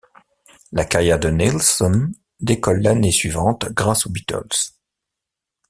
La carrière de Nilsson décolle l'année suivante grâce aux Beatles.